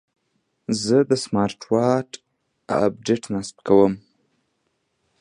زه د سمارټ واچ اپډیټ نصب کوم.